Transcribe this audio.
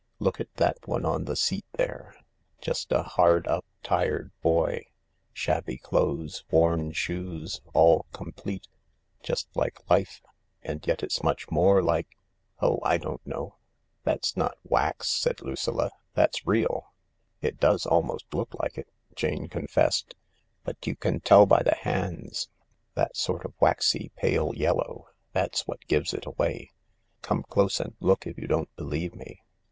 Look at that one on the seat there— just a hard up, tired boy ^ shabby clothes, worn shoes— .all complete— just like life, and yet it's much more like ... Oh, I don't know I " "That's not wax," said Lucilla, "that's real." " It does almost look like it," Jane confessed, " but you can tell by the hands. That sort of waxy pale yellow ^ that's what gives it away. Come close and look if you don't believe me."